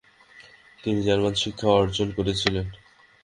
তিনি জার্মান শিক্ষা অর্জন করেছিলেন।